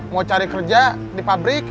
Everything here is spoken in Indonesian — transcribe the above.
mau cari kerja di pabrik